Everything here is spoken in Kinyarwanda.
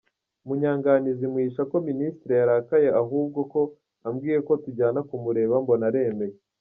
Munyanganizi muhisha ko Ministre yarakaye ahubwo ko ambwiye ko tujyana kumureba, mbona aremeye.